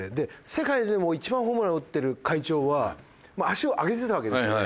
世界で一番ホームランを打ってる会長は足を上げてたわけですよね。